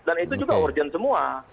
dan itu juga urgent semua